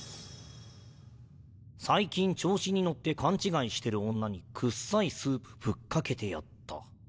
「最近調子に乗って勘違いしてる女にくっさいスープぶっかけてやった」。